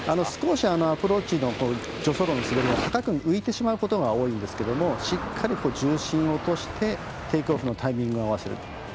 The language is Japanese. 少しアプローチの助走路の滑りが高く浮いてしまうことが多いんですけれどもしっかり重心を落としてテイクオフのタイミングを合わせる。